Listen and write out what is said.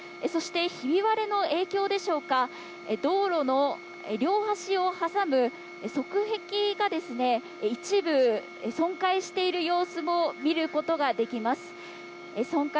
そしてひび割れの影響でしょうか、道路の両端を挟む側壁が一部損壊している様子も見ることができます。